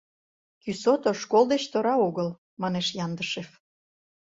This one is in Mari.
— Кӱсото школ деч тора огыл, — манеш Яндышев.